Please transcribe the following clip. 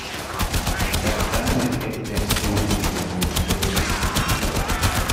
The Darwins extensively remodelled the house.